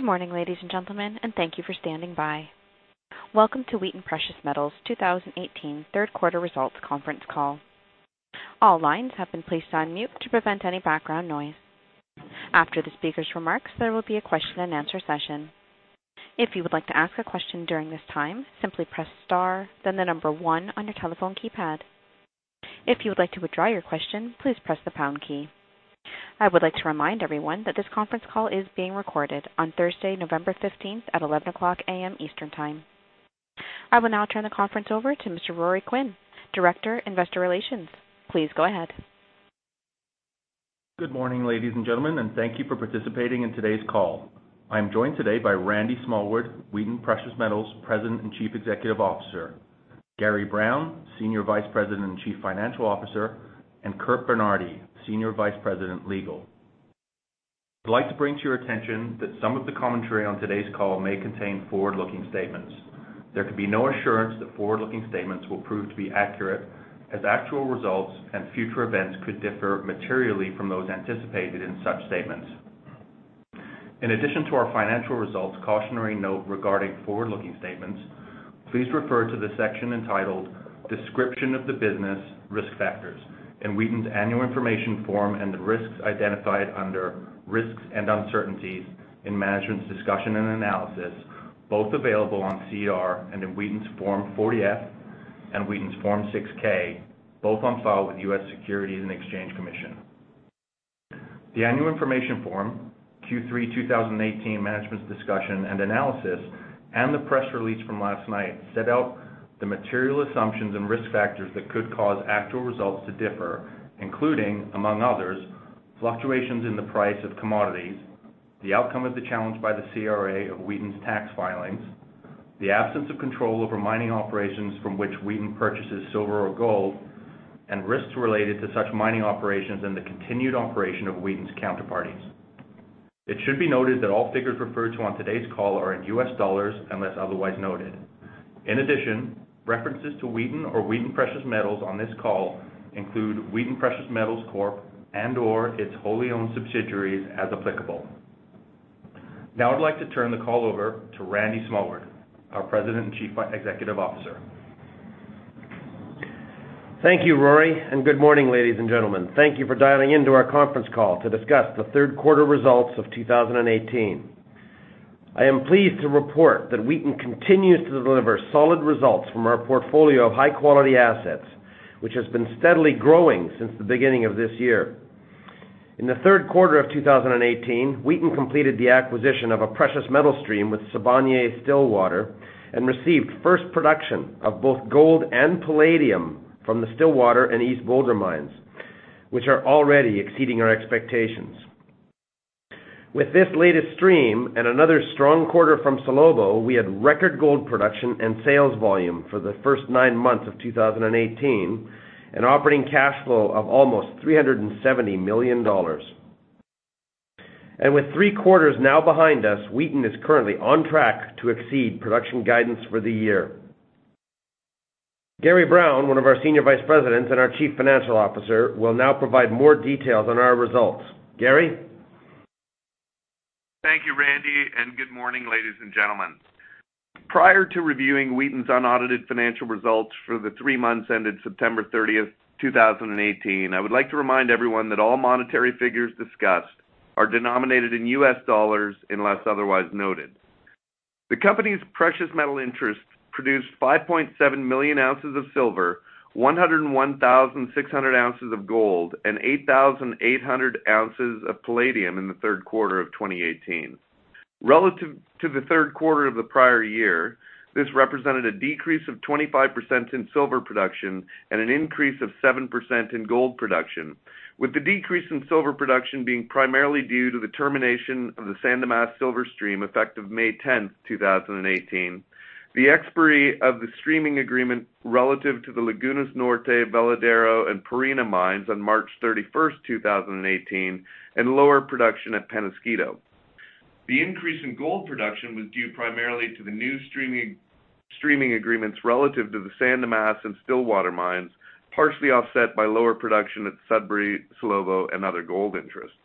Good morning, ladies and gentlemen, and thank you for standing by. Welcome to Wheaton Precious Metals' 2018 Q3 results conference call. All lines have been placed on mute to prevent any background noise. After the speakers' remarks, there will be a question and answer session. If you would like to ask a question during this time, simply press star then the number one on your telephone keypad. If you would like to withdraw your question, please press the pound key. I would like to remind everyone that this conference call is being recorded on Thursday, November 15th, at 11:00 A.M. Eastern Time. I will now turn the conference over to Mr. Rory Quinn, Director, Investor Relations. Please go ahead. Good morning, ladies and gentlemen, and thank you for participating in today's call. I am joined today by Randy Smallwood, Wheaton Precious Metals President and Chief Executive Officer, Gary Brown, Senior Vice President and Chief Financial Officer, and Curt Bernardi, Senior Vice President, Legal. I'd like to bring to your attention that some of the commentary on today's call may contain forward-looking statements. There can be no assurance that forward-looking statements will prove to be accurate, as actual results and future events could differ materially from those anticipated in such statements. In addition to our financial results cautionary note regarding forward-looking statements, please refer to the section entitled "Description of the Business Risk Factors" in Wheaton's Annual Information Form and the risks identified under "Risks and Uncertainties in Management's Discussion and Analysis," both available on SEDAR and in Wheaton's Form 40-F and Wheaton's Form 6-K, both on file with the U.S. Securities and Exchange Commission. The Annual Information Form, Q3 2018 Management's Discussion and Analysis, and the press release from last night set out the material assumptions and risk factors that could cause actual results to differ, including, among others, fluctuations in the price of commodities, the outcome of the challenge by the CRA of Wheaton's tax filings, the absence of control over mining operations from which Wheaton purchases silver or gold, and risks related to such mining operations and the continued operation of Wheaton's counterparties. It should be noted that all figures referred to on today's call are in U.S. dollars, unless otherwise noted. In addition, references to Wheaton or Wheaton Precious Metals on this call include Wheaton Precious Metals Corp. and/or its wholly owned subsidiaries, as applicable. Now I would like to turn the call over to Randy Smallwood, our President and Chief Executive Officer. Thank you, Rory, and good morning, ladies and gentlemen. Thank you for dialing in to our conference call to discuss the Q3 results of 2018. I am pleased to report that Wheaton continues to deliver solid results from our portfolio of high-quality assets, which has been steadily growing since the beginning of this year. In the third quarter of 2018, Wheaton completed the acquisition of a precious metal stream with Sibanye-Stillwater and received first production of both gold and palladium from the Stillwater and East Boulder mines, which are already exceeding our expectations. With this latest stream and another strong quarter from Salobo, we had record gold production and sales volume for the first nine months of 2018, and operating cash flow of almost $370 million. With three quarters now behind us, Wheaton is currently on track to exceed production guidance for the year. Gary Brown, one of our Senior Vice Presidents and our Chief Financial Officer, will now provide more details on our results. Gary? Thank you, Randy, and good morning, ladies and gentlemen. Prior to reviewing Wheaton's unaudited financial results for the three months ended September 30th, 2018, I would like to remind everyone that all monetary figures discussed are denominated in U.S. dollars, unless otherwise noted. The company's precious metal interests produced 5.7 million ounces of silver, 101,600 ounces of gold, and 8,800 ounces of palladium in the Q3 of 2018. Relative to the Q3 of the prior year, this represented a decrease of 25% in silver production and an increase of seven percent in gold production, with the decrease in silver production being primarily due to the termination of the San Dimas silver stream effective May 10th, 2018, the expiry of the streaming agreement relative to the Lagunas Norte, Veladero, and Pierina mines on March 31st, 2018, and lower production at Peñasquito. The increase in gold production was due primarily to the new streaming agreements relative to the San Dimas and Stillwater mines, partially offset by lower production at Sudbury, Salobo, and other gold interests.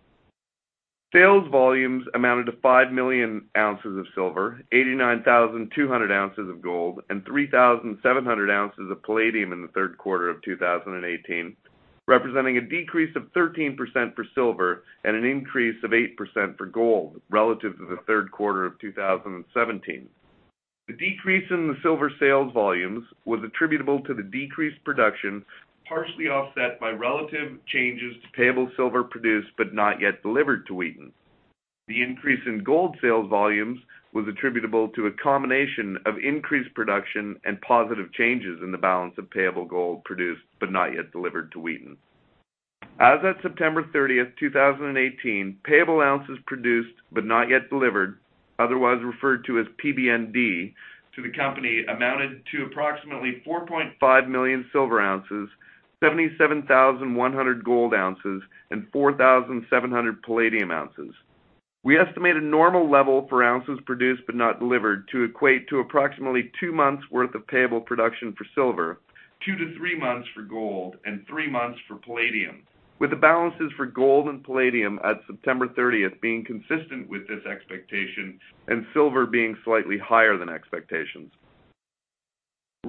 Sales volumes amounted to five million ounces of silver, 89,200 ounces of gold, and 3,700 ounces of palladium in the Q3 of 2018, representing a decrease of 13% for silver and an increase of eight percent for gold relative to the Q3 of 2017. The decrease in the silver sales volumes was attributable to the decreased production, partially offset by relative changes to payable silver produced but not yet delivered to Wheaton. The increase in gold sales volumes was attributable to a combination of increased production and positive changes in the balance of payable gold produced but not yet delivered to Wheaton. As at September 30th, 2018, payable ounces produced but not yet delivered, otherwise referred to as PBND to the company, amounted to approximately 4.5 million silver ounces, 77,100 gold ounces, and 4,700 palladium ounces. We estimate a normal level for ounces produced but not delivered to equate to approximately two months' worth of payable production for silver, two to three months for gold, and three months for palladium, with the balances for gold and palladium at September 30th being consistent with this expectation and silver being slightly higher than expectations.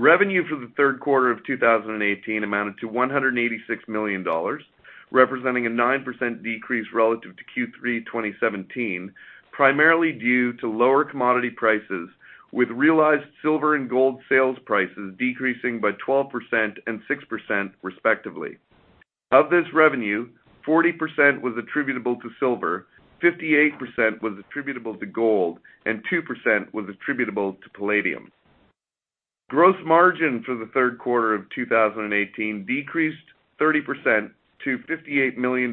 Revenue for the third quarter of 2018 amounted to $186 million, representing a nine percent decrease relative to Q3 2017, primarily due to lower commodity prices with realized silver and gold sales prices decreasing by 12% and six percent respectively. Of this revenue, 40% was attributable to silver, 58% was attributable to gold, and two percent was attributable to palladium. Gross margin for the third quarter of 2018 decreased 30% to $58 million,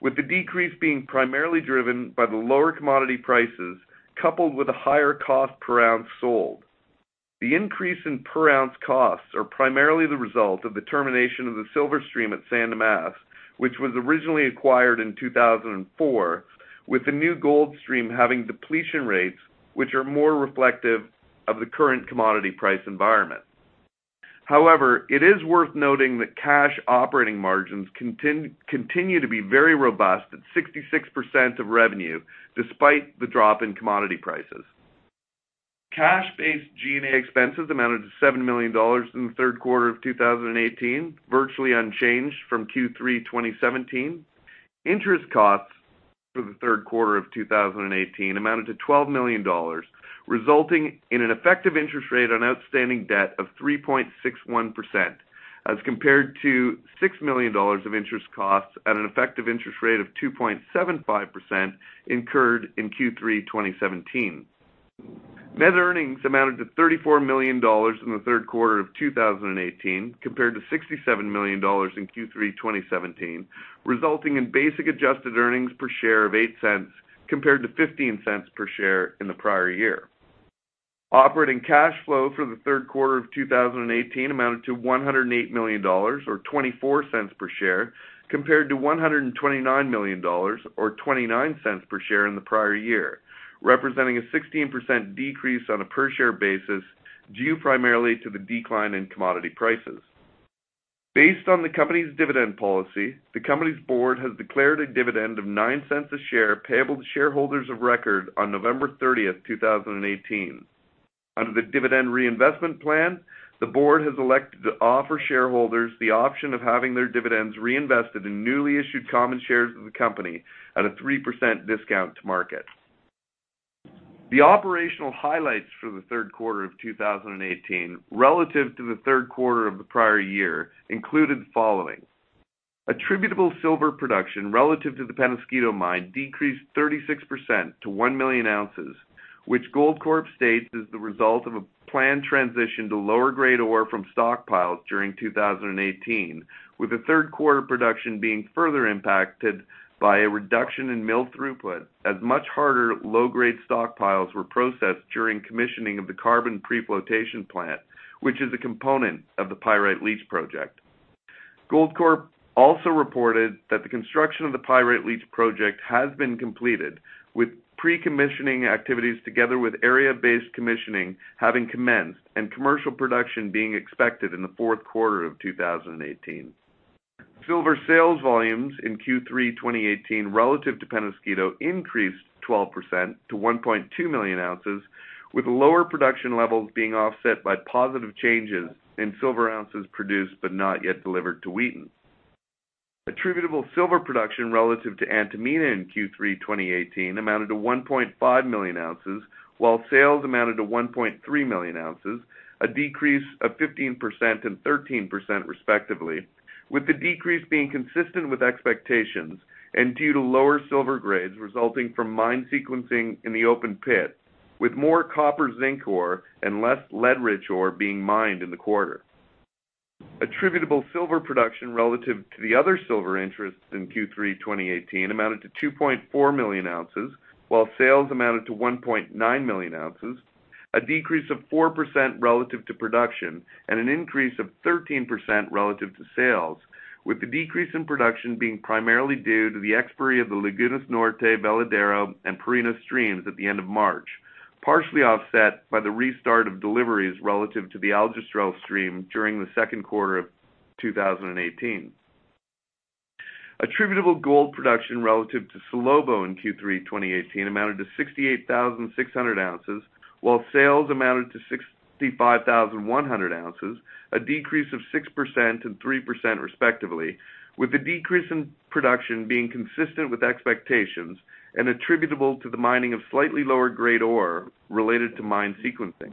with the decrease being primarily driven by the lower commodity prices, coupled with a higher cost per ounce sold. The increase in per ounce costs are primarily the result of the termination of the silver stream at San Dimas, which was originally acquired in 2004, with the new gold stream having depletion rates which are more reflective of the current commodity price environment. However, it is worth noting that cash operating margins continue to be very robust at 66% of revenue, despite the drop in commodity prices. Cash-based G&A expenses amounted to $7 million in the Q3 of 2018, virtually unchanged from Q3 2017. Interest costs for the Q3 of 2018 amounted to $12 million, resulting in an effective interest rate on outstanding debt of 3.61%, as compared to $6 million of interest costs at an effective interest rate of 2.75% incurred in Q3 2017. Net earnings amounted to $34 million in the Q3 of 2018, compared to $67 million in Q3 2017, resulting in basic adjusted earnings per share of $0.08 compared to $0.15 per share in the prior year. Operating cash flow for the third quarter of 2018 amounted to $108 million, or $0.24 per share, compared to $129 million or $0.29 per share in the prior year, representing a 16% decrease on a per share basis due primarily to the decline in commodity prices. Based on the company's dividend policy, the company's board has declared a dividend of $0.09 a share payable to shareholders of record on November 30th, 2018. Under the dividend reinvestment plan, the board has elected to offer shareholders the option of having their dividends reinvested in newly issued common shares of the company at a three percent discount to market. The operational highlights for the Q3 of 2018, relative to the Q3 of the prior year included the following. Attributable silver production relative to the Peñasquito Mine decreased 36% to 1 million ounces, which Goldcorp states is the result of a planned transition to lower grade ore from stockpiles during 2018, with the Q3 production being further impacted by a reduction in mill throughput as much harder low-grade stockpiles were processed during commissioning of the carbon pre-flotation plant, which is a component of the Pyrite Leach project. Goldcorp also reported that the construction of the Pyrite Leach project has been completed, with pre-commissioning activities together with area-based commissioning having commenced and commercial production being expected in the Q4 of 2018. Silver sales volumes in Q3 2018 relative to Peñasquito increased 12% to 1.2 million ounces, with lower production levels being offset by positive changes in silver ounces produced but not yet delivered to Wheaton. Attributable silver production relative to Antamina in Q3 2018 amounted to 1.5 million ounces, while sales amounted to 1.3 million ounces, a decrease of 15% and 13% respectively, with the decrease being consistent with expectations and due to lower silver grades resulting from mine sequencing in the open pit, with more copper-zinc ore and less lead-rich ore being mined in the quarter. Attributable silver production relative to the other silver interests in Q3 2018 amounted to 2.4 million ounces, while sales amounted to 1.9 million ounces, a decrease of four percent relative to production and an increase of 13% relative to sales, with the decrease in production being primarily due to the expiry of the Lagunas Norte, Veladero, and Pierina streams at the end of March, partially offset by the restart of deliveries relative to the Aljustrel stream during the Q2 of 2018. Attributable gold production relative to Salobo in Q3 2018 amounted to 68,600 ounces, while sales amounted to 65,100 ounces, a decrease of six percent and three percent respectively, with the decrease in production being consistent with expectations and attributable to the mining of slightly lower grade ore related to mine sequencing.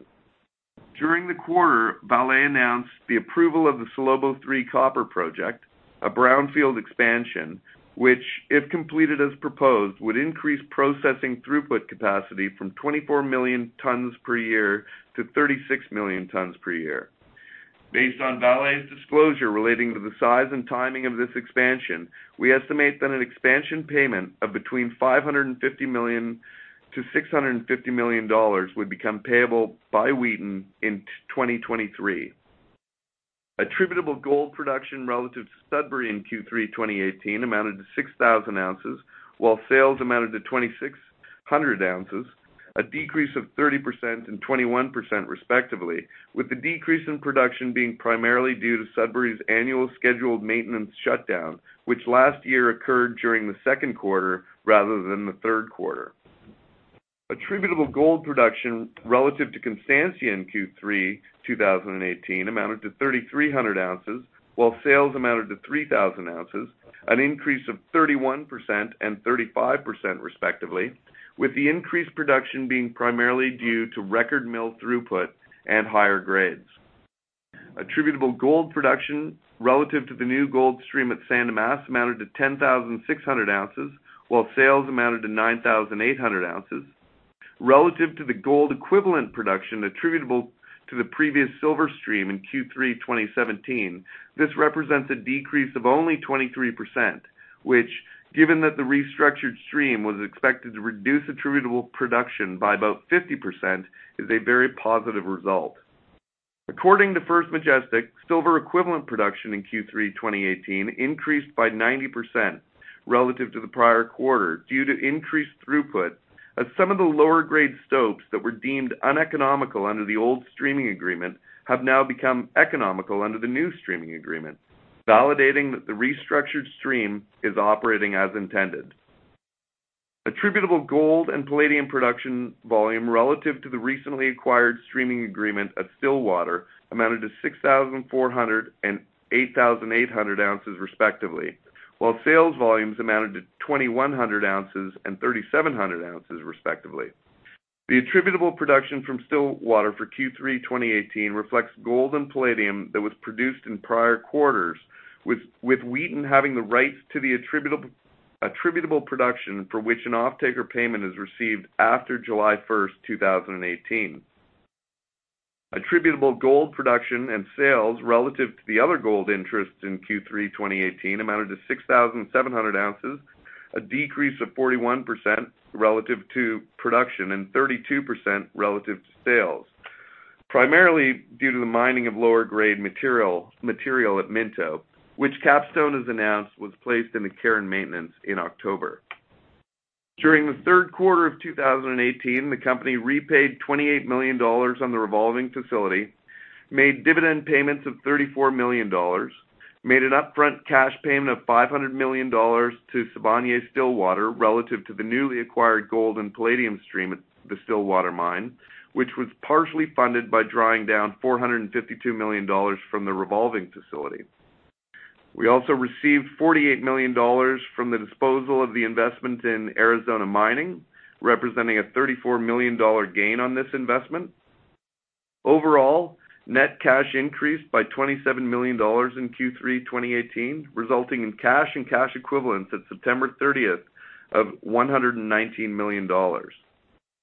During the quarter, Vale announced the approval of the Salobo three copper project, a brownfield expansion, which, if completed as proposed, would increase processing throughput capacity from 24 million tons per year - 36 million tons per year. Based on Vale's disclosure relating to the size and timing of this expansion, we estimate that an expansion payment of between $550 million - $650 million would become payable by Wheaton in 2023. Attributable gold production relative to Sudbury in Q3 2018 amounted to 6,000 ounces, while sales amounted to 2,600 ounces, a decrease of 30% and 21% respectively, with the decrease in production being primarily due to Sudbury's annual scheduled maintenance shutdown, which last year occurred during the Q2 rather than the Q3. Attributable gold production relative to Constancia in Q3 2018 amounted to 3,300 ounces, while sales amounted to 3,000 ounces, an increase of 31% and 35% respectively, with the increased production being primarily due to record mill throughput and higher grades. Attributable gold production relative to the new gold stream at San Dimas amounted to 10,600 ounces, while sales amounted to 9,800 ounces. Relative to the gold equivalent production attributable to the previous silver stream in Q3 2017, this represents a decrease of only 23%, which, given that the restructured stream was expected to reduce attributable production by about 50%, is a very positive result. According to First Majestic, silver equivalent production in Q3 2018 increased by 90% relative to the prior quarter due to increased throughput, as some of the lower grade stopes that were deemed uneconomical under the old streaming agreement have now become economical under the new streaming agreement, validating that the restructured stream is operating as intended. Attributable gold and palladium production volume relative to the recently acquired streaming agreement at Stillwater amounted to 6,400 and 8,800 ounces respectively, while sales volumes amounted to 2,100 ounces and 3,700 ounces respectively. The attributable production from Stillwater for Q3 2018 reflects gold and palladium that was produced in prior quarters, with Wheaton having the rights to the attributable production for which an offtaker payment is received after July 1st, 2018. Attributable gold production and sales relative to the other gold interests in Q3 2018 amounted to 6,700 ounces, a decrease of 41% relative to production and 32% relative to sales, primarily due to the mining of lower grade material at Minto, which Capstone has announced was placed into care and maintenance in October. During the Q3 of 2018, the company repaid $28 million on the revolving facility, made dividend payments of $34 million, made an upfront cash payment of $500 million to Sibanye-Stillwater relative to the newly acquired gold and palladium stream at the Stillwater mine, which was partially funded by drawing down $452 million from the revolving facility. We also received $48 million from the disposal of the investment in Arizona Mining, representing a $34 million gain on this investment. Overall, net cash increased by $27 million in Q3 2018, resulting in cash and cash equivalents at September 30th of $119 million.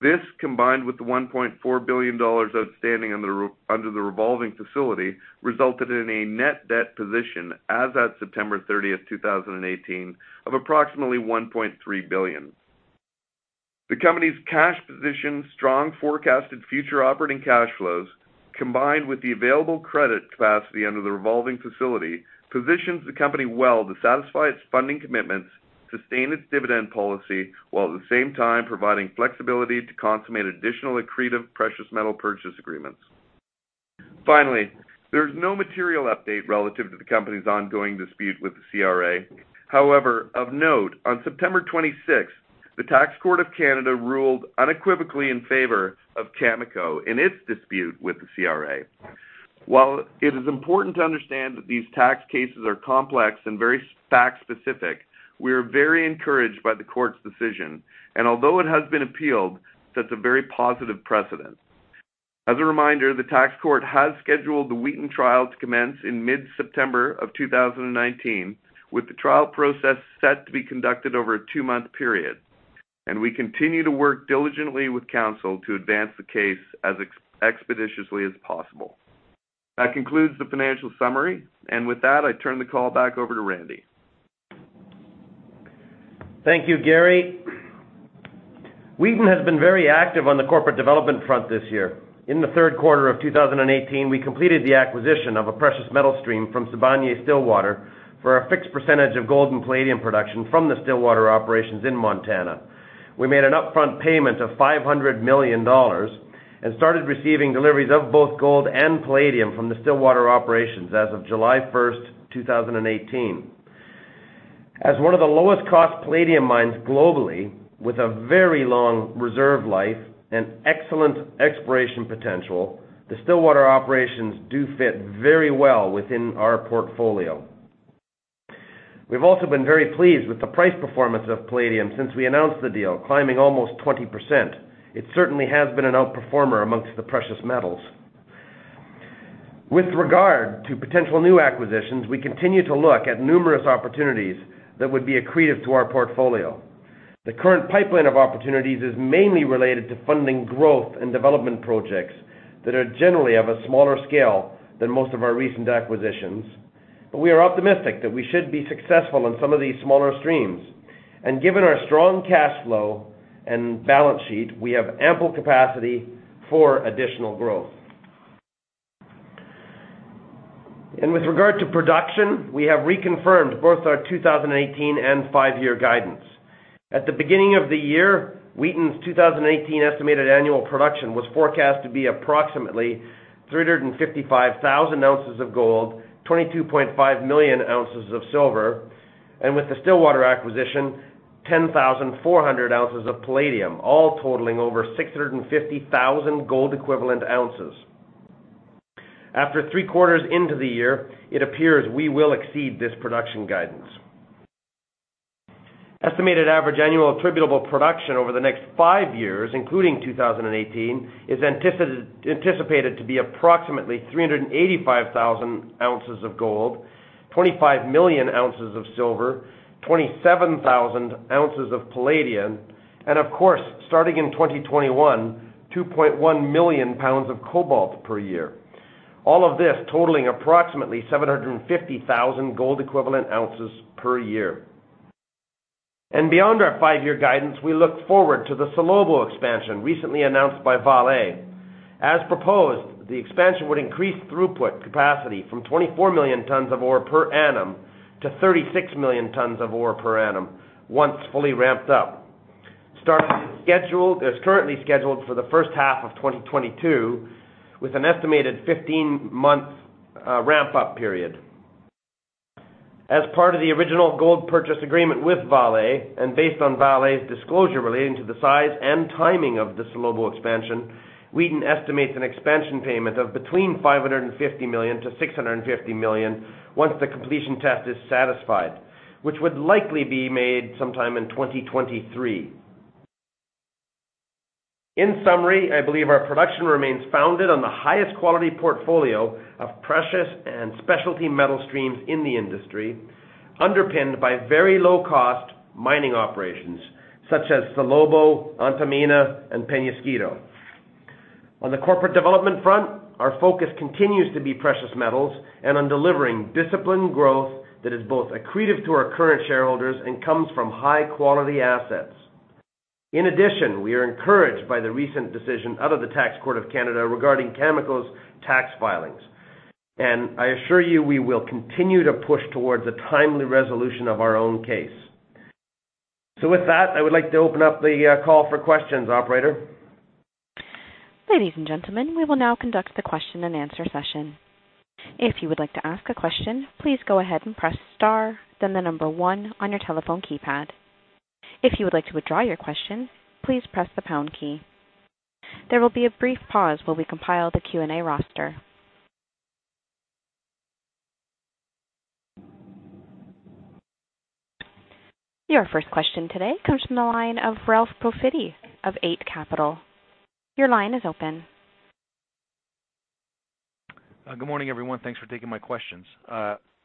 This, combined with the $1.4 billion outstanding under the revolving facility, resulted in a net debt position as at September 30th, 2018 of approximately $1.3 billion. The company's cash position, strong forecasted future operating cash flows, combined with the available credit capacity under the revolving facility, positions the company well to satisfy its funding commitments, sustain its dividend policy, while at the same time providing flexibility to consummate additional accretive precious metal purchase agreements. Finally, there's no material update relative to the company's ongoing dispute with the CRA. However, of note, on September 26th, the Tax Court of Canada ruled unequivocally in favor of Cameco in its dispute with the CRA. While it is important to understand that these tax cases are complex and very fact specific, we are very encouraged by the court's decision, and although it has been appealed, sets a very positive precedent. As a reminder, the Tax Court has scheduled the Wheaton trial to commence in mid-September of 2019, with the trial process set to be conducted over a two-month period, and we continue to work diligently with counsel to advance the case as expeditiously as possible. That concludes the financial summary, and with that, I turn the call back over to Randy. Thank you, Gary. Wheaton has been very active on the corporate development front this year. In the third quarter of 2018, we completed the acquisition of a precious metal stream from Sibanye-Stillwater for a fixed percentage of gold and palladium production from the Stillwater operations in Montana. We made an upfront payment of $500 million and started receiving deliveries of both gold and palladium from the Stillwater operations as of July 1st, 2018. As one of the lowest cost palladium mines globally with a very long reserve life and excellent exploration potential, the Stillwater operations do fit very well within our portfolio. We've also been very pleased with the price performance of palladium since we announced the deal, climbing almost 20%. It certainly has been an outperformer amongst the precious metals. With regard to potential new acquisitions, we continue to look at numerous opportunities that would be accretive to our portfolio. The current pipeline of opportunities is mainly related to funding growth and development projects that are generally of a smaller scale than most of our recent acquisitions. We are optimistic that we should be successful in some of these smaller streams. Given our strong cash flow and balance sheet, we have ample capacity for additional growth. With regard to production, we have reconfirmed both our 2018 and five-year guidance. At the beginning of the year, Wheaton's 2018 estimated annual production was forecast to be approximately 355,000 ounces of gold, 22.5 million ounces of silver, and with the Stillwater acquisition, 10,400 ounces of palladium, all totaling over 650,000 gold equivalent ounces. After Q3 into the year, it appears we will exceed this production guidance. Estimated average annual attributable production over the next five years, including 2018, is anticipated to be approximately 385,000 ounces of gold, 25 million ounces of silver, 27,000 ounces of palladium, and of course, starting in 2021, 2.1 million pounds of cobalt per year. All of this totaling approximately 750,000 gold equivalent ounces per year. Beyond our five-year guidance, we look forward to the Salobo expansion recently announced by Vale. As proposed, the expansion would increase throughput capacity from 24 million tons of ore per annum to 36 million tons of ore per annum once fully ramped up. Start is currently scheduled for the first half of 2022, with an estimated 15-month ramp-up period. As part of the original gold purchase agreement with Vale, and based on Vale's disclosure relating to the size and timing of the Salobo expansion, Wheaton estimates an expansion payment of between $550 million-$650 million once the completion test is satisfied, which would likely be made sometime in 2023. In summary, I believe our production remains founded on the highest quality portfolio of precious and specialty metal streams in the industry, underpinned by very low-cost mining operations, such as Salobo, Antamina, and Peñasquito. On the corporate development front, our focus continues to be precious metals and on delivering disciplined growth that is both accretive to our current shareholders and comes from high-quality assets. In addition, we are encouraged by the recent decision out of the Tax Court of Canada regarding Cameco's tax filings. I assure you, we will continue to push towards a timely resolution of our own case. With that, I would like to open up the call for questions. Operator? Ladies and gentlemen, we will now conduct the question and answer session. If you would like to ask a question, please go ahead and press star, then the number one on your telephone keypad. If you would like to withdraw your question, please press the pound key. There will be a brief pause while we compile the Q&A roster. Your first question today comes from the line of Ralph Profiti of Eight Capital. Your line is open. Good morning, everyone. Thanks for taking my questions.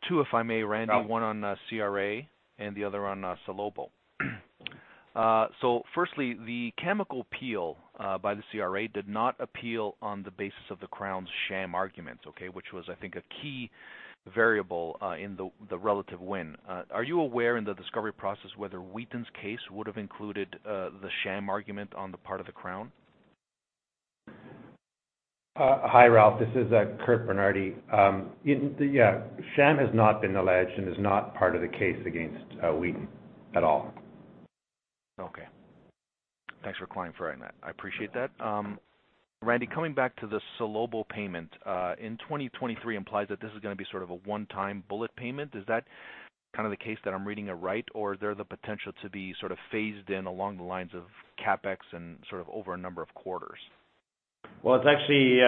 Two, if I may, Randy. Oh. One on CRA and the other on Salobo. Firstly, the Cameco appeal by the CRA did not appeal on the basis of the Crown's sham arguments, okay? Which was, I think, a key variable in the relative win. Are you aware, in the discovery process, whether Wheaton's case would have included the sham argument on the part of the Crown? Hi, Ralph. This is Curt Bernardi. Sham has not been alleged and is not part of the case against Wheaton at all. Thanks for clarifying that. I appreciate that. Randy, coming back to the Salobo payment. In 2023 implies that this is going to be sort of a one-time bullet payment. Is that kind of the case that I'm reading it right, or is there the potential to be sort of phased in along the lines of CapEx and sort of over a number of quarters? Well, it's actually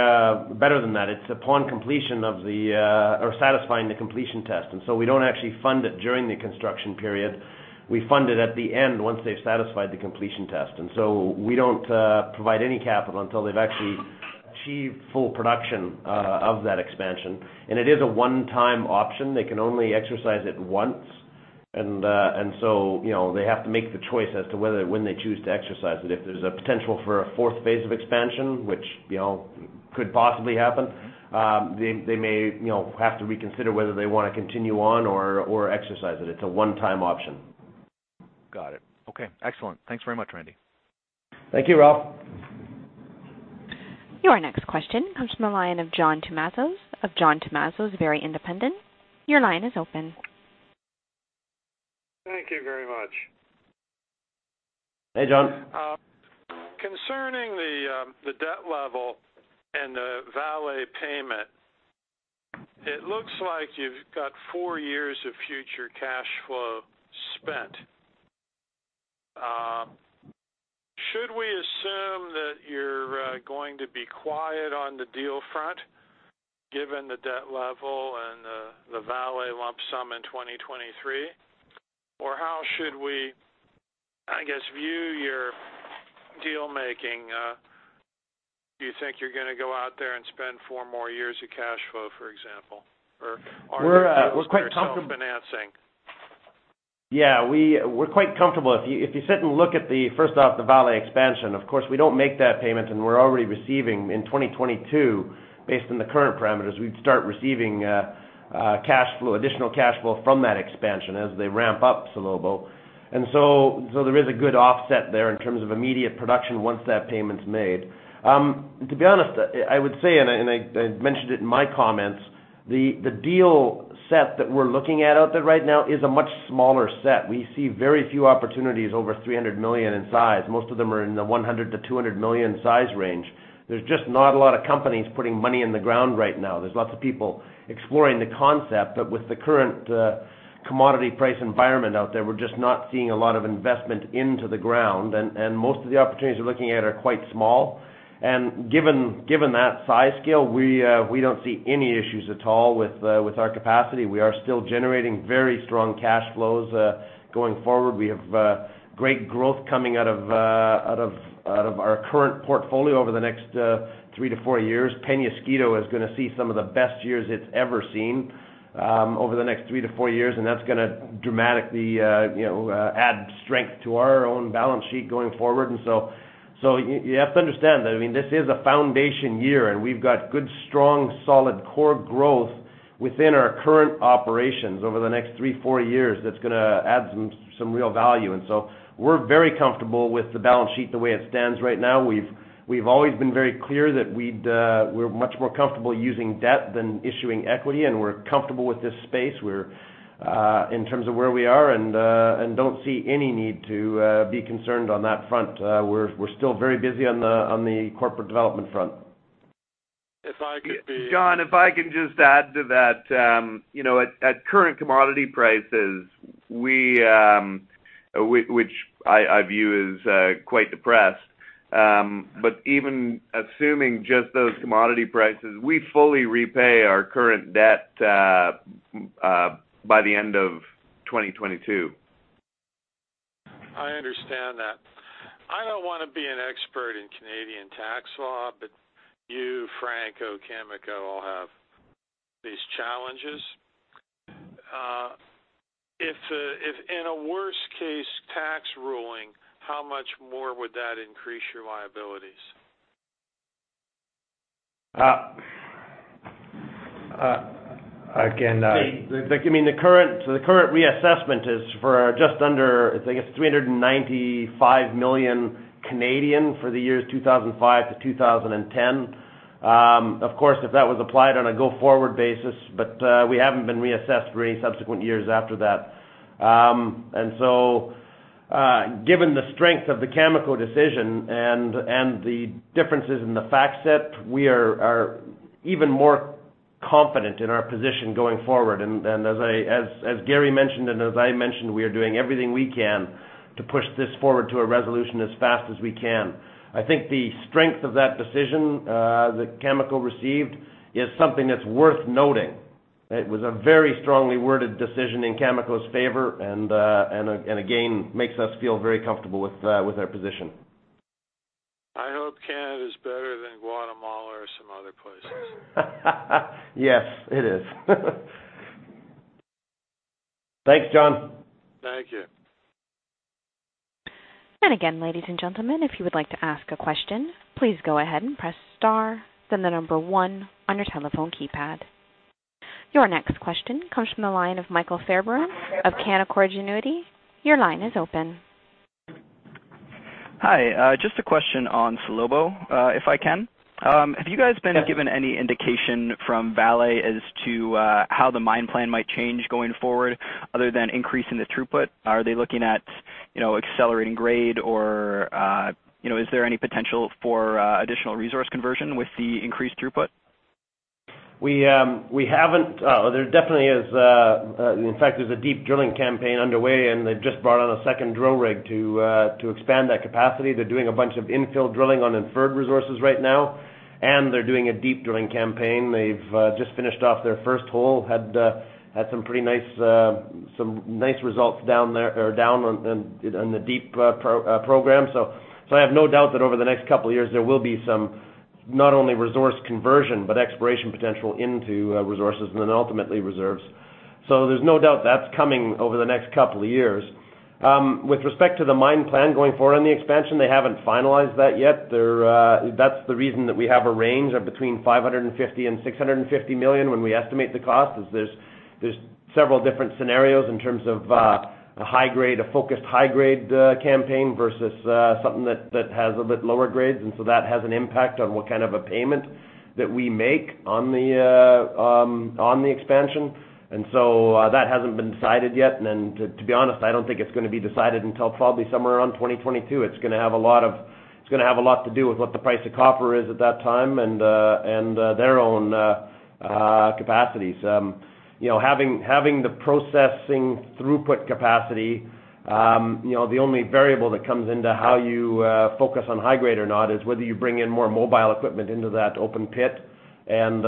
better than that. It's upon completion of satisfying the completion test. We don't actually fund it during the construction period. We fund it at the end, once they've satisfied the completion test. We don't provide any capital until they've actually achieved full production of that expansion. It is a one-time option. They can only exercise it once. They have to make the choice as to when they choose to exercise it. If there's a potential for a fourth phase of expansion, which could possibly happen, they may have to reconsider whether they want to continue on or exercise it. It's a one-time option. Got it. Excellent. Thanks very much, Randy. Thank you, Ralph. Your next question comes from the line of John Tumazos of John Tumazos, very independent. Your line is open. Thank you very much. Hey, John. Concerning the debt level and the Vale payment, it looks like you've got four years of future cash flow spent. Should we assume that you're going to be quiet on the deal front given the debt level and the Vale lump sum in 2023? Or how should we, I guess, view your deal-making? Do you think you're going to go out there and spend four more years of cash flow, for example? Or are you- We're quite comfortable- self-financing? Yeah, we're quite comfortable. If you sit and look at the, first off, the Vale expansion, of course, we don't make that payment and we're already receiving in 2022, based on the current parameters, we'd start receiving additional cash flow from that expansion as they ramp up Salobo. There is a good offset there in terms of immediate production once that payment's made. To be honest, I would say, and I mentioned it in my comments, the deal set that we're looking at out there right now is a much smaller set. We see very few opportunities over $300 million in size. Most of them are in the $100 million-$200 million size range. There's just not a lot of companies putting money in the ground right now. There's lots of people exploring the concept, but with the current commodity price environment out there, we're just not seeing a lot of investment into the ground. Most of the opportunities we're looking at are quite small. Given that size scale, we don't see any issues at all with our capacity. We are still generating very strong cash flows, going forward. We have great growth coming out of our current portfolio over the next three to four years. Peñasquito is going to see some of the best years it's ever seen, over the next three to four years, and that's going to dramatically add strength to our own balance sheet going forward. You have to understand that, this is a foundation year, and we've got good, strong, solid core growth within our current operations over the next three, four years that's going to add some real value. We're very comfortable with the balance sheet the way it stands right now. We've always been very clear that we're much more comfortable using debt than issuing equity, and we're comfortable with this space in terms of where we are and don't see any need to be concerned on that front. We're still very busy on the corporate development front. If I could be- John, if I can just add to that. At current commodity prices, which I view as quite depressed, but even assuming just those commodity prices, we fully repay our current debt by the end of 2022. I understand that. I don't want to be an expert in Canadian tax law, you, Franco-Nevada, Cameco, all have these challenges. If in a worst case tax ruling, how much more would that increase your liabilities? Again. The current reassessment is for just under, I guess, 395 million for the years 2005 - 2010. Of course, if that was applied on a go forward basis, we haven't been reassessed for any subsequent years after that. Given the strength of the Cameco decision and the differences in the fact set, we are even more confident in our position going forward. As Gary mentioned, and as I mentioned, we are doing everything we can to push this forward to a resolution as fast as we can. I think the strength of that decision that Cameco received is something that's worth noting. It was a very strongly worded decision in Cameco's favor, and again, makes us feel very comfortable with our position. I hope Canada's better than Guatemala or some other places. Yes, it is. Thanks, John. Thank you. Again, ladies and gentlemen, if you would like to ask a question, please go ahead and press star, then the number one on your telephone keypad. Your next question comes from the line of Michael Fairbairn of Canaccord Genuity. Your line is open. Hi. Just a question on Salobo, if I can. Yes. Have you guys been given any indication from Vale as to how the mine plan might change going forward other than increasing the throughput? Are they looking at accelerating grade or is there any potential for additional resource conversion with the increased throughput? There definitely is. In fact, there's a deep drilling campaign underway, and they've just brought on a second drill rig to expand that capacity. They're doing a bunch of infill drilling on inferred resources right now, and they're doing a deep drilling campaign. They've just finished off their first hole, had some pretty nice results down there or down in the deep program. I have no doubt that over the next couple of years, there will be some, not only resource conversion, but exploration potential into resources and then ultimately reserves. There's no doubt that's coming over the next couple of years. With respect to the mine plan going forward on the expansion, they haven't finalized that yet. That's the reason that we have a range of between $550 million and $650 million when we estimate the cost, is there's several different scenarios in terms of a focused high grade campaign versus something that has a bit lower grades. That has an impact on what kind of a payment that we make on the expansion. That hasn't been decided yet. To be honest, I don't think it's going to be decided until probably somewhere around 2022. It's going to have a lot to do with what the price of copper is at that time and their own capacities. Having the processing throughput capacity, the only variable that comes into how you focus on high grade or not is whether you bring in more mobile equipment into that open pit, and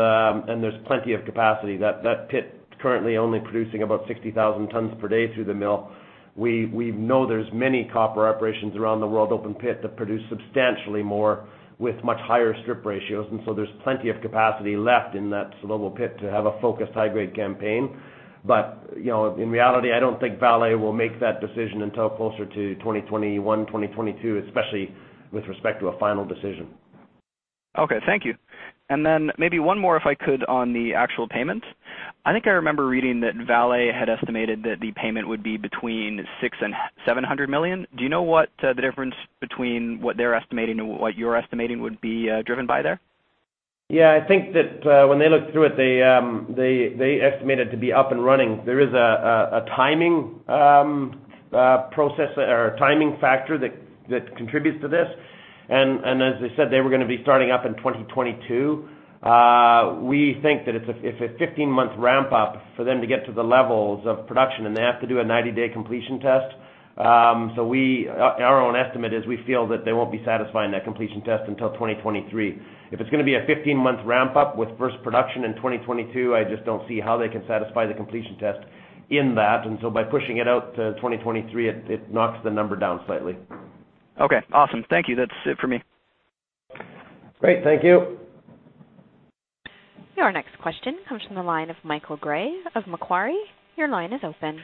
there's plenty of capacity. That pit's currently only producing about 60,000 tons per day through the mill. We know there's many copper operations around the world, open pit, that produce substantially more with much higher strip ratios. There's plenty of capacity left in that Salobo pit to have a focused high grade campaign. In reality, I don't think Vale will make that decision until closer to 2021, 2022, especially with respect to a final decision. Okay. Thank you. Maybe one more, if I could, on the actual payment. I think I remember reading that Vale had estimated that the payment would be between $600 million and $700 million. Do you know what the difference between what they're estimating and what you're estimating would be driven by there? Yeah. I think that when they looked through it, they estimate it to be up and running. There is a timing factor that contributes to this. As I said, they were going to be starting up in 2022. We think that if a 15-month ramp up for them to get to the levels of production, and they have to do a 90-day completion test. Our own estimate is we feel that they won't be satisfying that completion test until 2023. If it's going to be a 15-month ramp up with first production in 2022, I just don't see how they can satisfy the completion test in that. By pushing it out to 2023, it knocks the number down slightly. Okay. Awesome. Thank you. That's it for me. Great. Thank you. Your next question comes from the line of Michael Gray of Macquarie. Your line is open.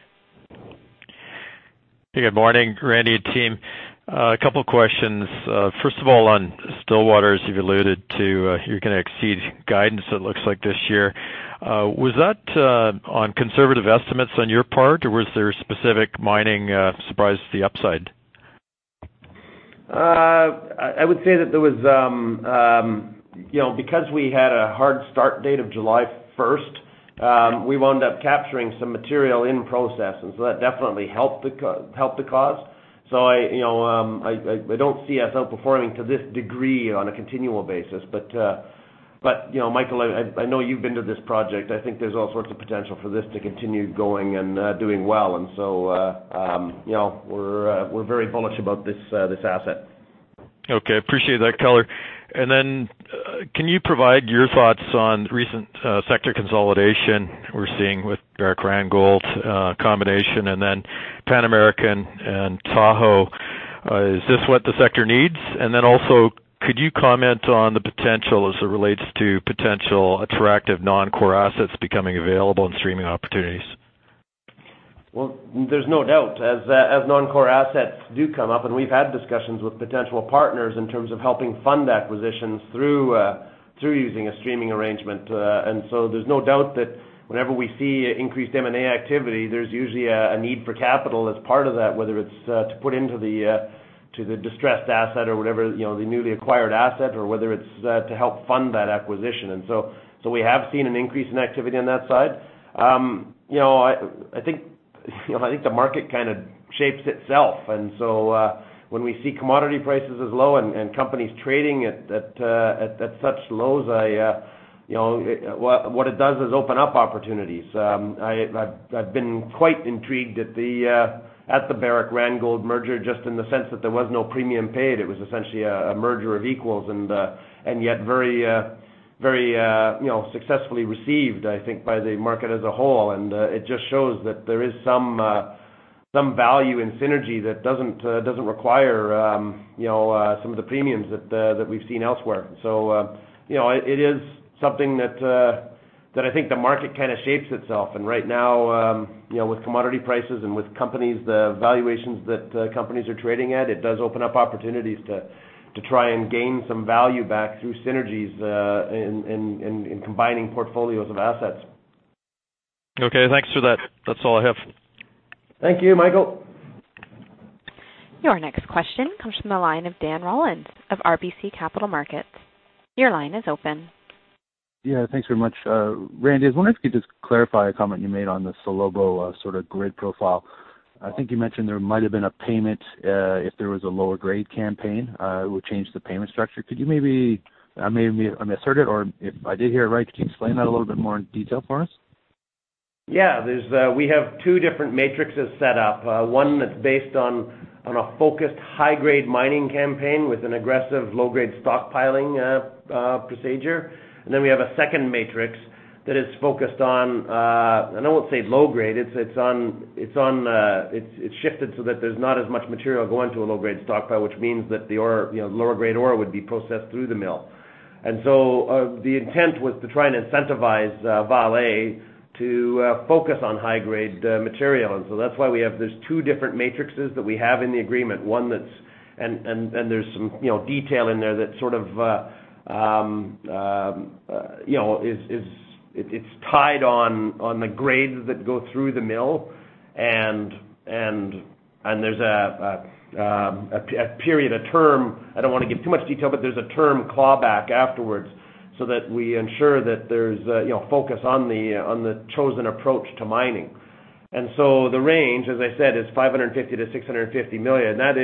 Good morning, Randy and team. Two questions. First of all, on Stillwater, you've alluded to you're going to exceed guidance it looks like this year. Was that on conservative estimates on your part, or was there specific mining surprise to the upside? I would say that because we had a hard start date of July 1st, we wound up capturing some material in process, that definitely helped the cause. I don't see us outperforming to this degree on a continual basis. Michael, I know you've been to this project. I think there's all sorts of potential for this to continue going and doing well. We're very bullish about this asset. Okay. Appreciate that color. Can you provide your thoughts on recent sector consolidation we're seeing with Barrick Randgold combination and Pan American and Tahoe? Is this what the sector needs? Also could you comment on the potential as it relates to potential attractive non-core assets becoming available and streaming opportunities? Well, there's no doubt, as non-core assets do come up, we've had discussions with potential partners in terms of helping fund acquisitions through using a streaming arrangement. There's no doubt that whenever we see increased M&A activity, there's usually a need for capital as part of that, whether it's to put into the distressed asset or whatever, the newly acquired asset or whether it's to help fund that acquisition. We have seen an increase in activity on that side. I think the market kind of shapes itself, when we see commodity prices as low and companies trading at such lows, what it does is open up opportunities. I've been quite intrigued at the Barrick Randgold merger, just in the sense that there was no premium paid. It was essentially a merger of equals and yet very successfully received, I think, by the market as a whole. It just shows that there is some value in synergy that doesn't require some of the premiums that we've seen elsewhere. It is something that I think the market kind of shapes itself. Right now with commodity prices and with valuations that companies are trading at, it does open up opportunities to try and gain some value back through synergies in combining portfolios of assets. Okay, thanks for that. That's all I have. Thank you, Michael. Your next question comes from the line of Dan Rollins of RBC Capital Markets. Your line is open. Yeah, thanks very much. Randy, I was wondering if you could just clarify a comment you made on the Salobo sort of grid profile. I think you mentioned there might have been a payment if there was a lower grade campaign, it would change the payment structure. I may have misheard it, or if I did hear it right, could you explain that a little bit more in detail for us? Yeah. We have two different matrixes set up, one that's based on a focused high-grade mining campaign with an aggressive low-grade stockpiling procedure. We have a second matrix that is focused on, and I won't say low grade, it's shifted so that there's not as much material going to a low-grade stockpile, which means that the lower grade ore would be processed through the mill. The intent was to try and incentivize Vale to focus on high-grade material. That's why there's two different matrixes that we have in the agreement. There's some detail in there that sort of, it's tied on the grades that go through the mill, and there's a period, a term, I don't want to give too much detail, but there's a term clawback afterwards so that we ensure that there's focus on the chosen approach to mining. The range, as I said, is $550 million-$650 million. That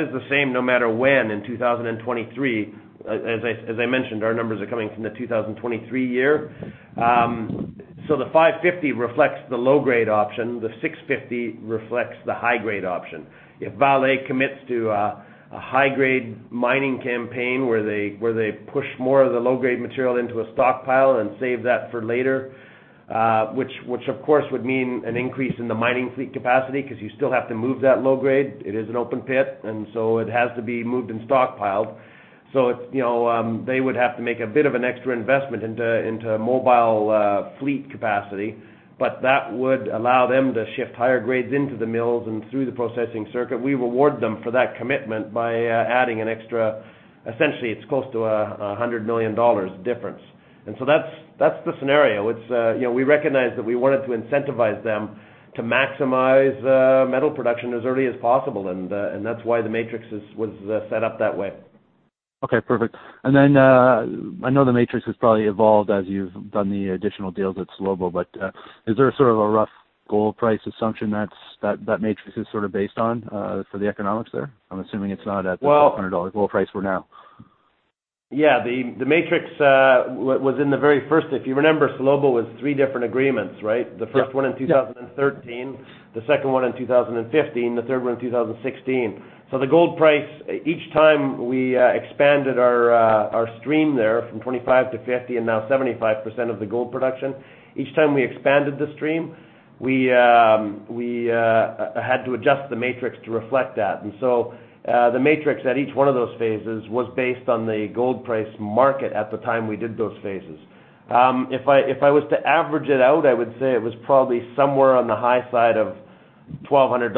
is the same no matter when in 2023. As I mentioned, our numbers are coming from the 2023 year. The $550 reflects the low grade option. The $650 reflects the high grade option. If Vale commits to a high grade mining campaign where they push more of the low grade material into a stockpile and save that for later, which of course would mean an increase in the mining fleet capacity because you still have to move that low grade. It is an open pit, it has to be moved and stockpiled. They would have to make a bit of an extra investment into mobile fleet capacity. That would allow them to shift higher grades into the mills and through the processing circuit. We reward them for that commitment by adding an extra, essentially it's close to $100 million difference. That's the scenario. We recognized that we wanted to incentivize them to maximize metal production as early as possible, that's why the matrix was set up that way. Okay, perfect. I know the matrix has probably evolved as you've done the additional deals at Salobo, but is there a rough gold price assumption that matrix is based on for the economics there? I'm assuming it's not at the $1,200 gold price we're now. Yeah, if you remember, Salobo was three different agreements, right? Yeah. The first one in 2013, the second one in 2015, the third one in 2016. The gold price, each time we expanded our stream there from 25% - 50% and now 75% of the gold production. Each time we expanded the stream, we had to adjust the matrix to reflect that. The matrix at each one of those phases was based on the gold price market at the time we did those phases. If I was to average it out, I would say it was probably somewhere on the high side of $1,200,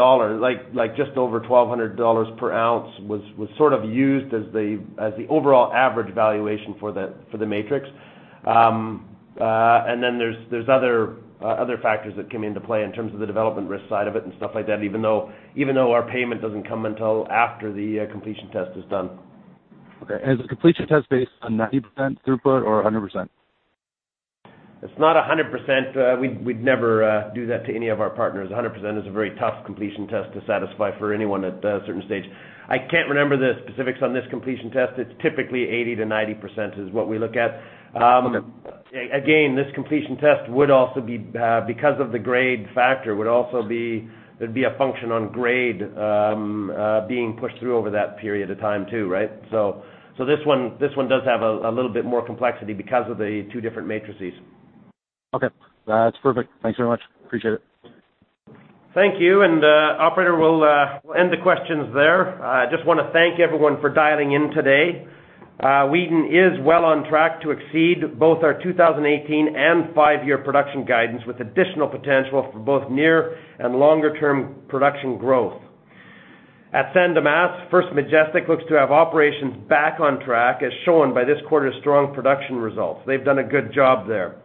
just over $1,200 per ounce was sort of used as the overall average valuation for the matrix. There's other factors that come into play in terms of the development risk side of it and stuff like that, even though our payment doesn't come until after the completion test is done. Okay. Is the completion test based on 90% throughput or 100%? It's not 100%. We'd never do that to any of our partners. 100% is a very tough completion test to satisfy for anyone at a certain stage. I can't remember the specifics on this completion test. It's typically 80%-90% is what we look at. Okay. This completion test would also be, because of the grade factor, there'd be a function on grade being pushed through over that period of time, too, right? This one does have a little bit more complexity because of the two different matrices. That's perfect. Thanks very much. Appreciate it. Thank you. Operator, we'll end the questions there. I just want to thank everyone for dialing in today. Wheaton is well on track to exceed both our 2018 and five-year production guidance with additional potential for both near and longer term production growth. At San Dimas, First Majestic looks to have operations back on track as shown by this quarter's strong production results. They've done a good job there.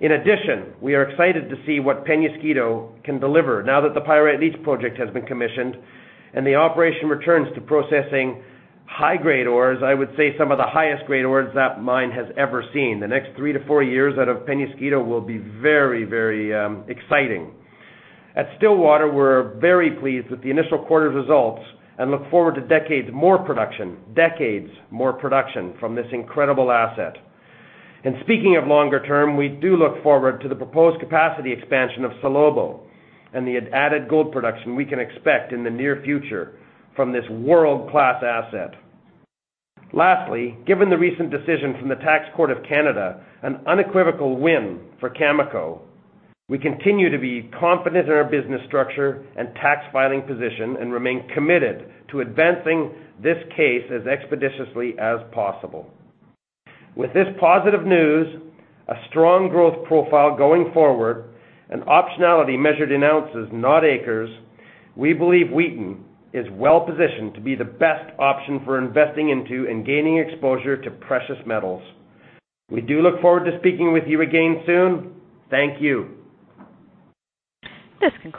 In addition, we are excited to see what Peñasquito can deliver now that the Pyrite Leach project has been commissioned and the operation returns to processing high-grade ores, I would say some of the highest grade ores that mine has ever seen. The next three - four years out of Peñasquito will be very exciting. At Stillwater, we're very pleased with the initial quarter results and look forward to decades more production from this incredible asset. Speaking of longer term, we do look forward to the proposed capacity expansion of Salobo and the added gold production we can expect in the near future from this world-class asset. Lastly, given the recent decision from the Tax Court of Canada, an unequivocal win for Cameco, we continue to be confident in our business structure and tax filing position and remain committed to advancing this case as expeditiously as possible. With this positive news, a strong growth profile going forward, and optionality measured in ounces, not acres, we believe Wheaton is well-positioned to be the best option for investing into and gaining exposure to precious metals. We do look forward to speaking with you again soon. Thank you. This concl-